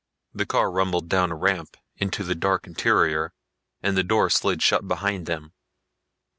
The car rumbled down a ramp into the dark interior and the door slid shut behind them.